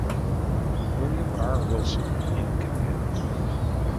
William R. Wilson in command.